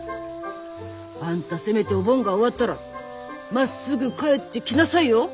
あんたせめてお盆が終わったらまっすぐ帰ってきなさいよ！